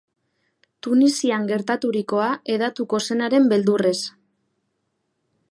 Tunisian gertaturikoa hedatuko zenaren beldurrez.